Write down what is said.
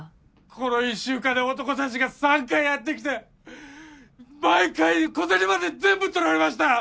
この１週間で男たちが３回やってきて毎回小銭まで全部取られました！